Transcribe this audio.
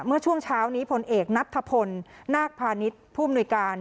เมื่อช่วงเช้านี้พลเอกนัทธพลนาคพาณิชย์ผู้อำนวยการ